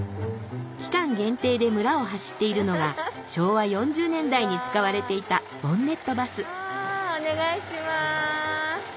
期間限定で村を走っているのが昭和４０年代に使われていたボンネットバスお願いします。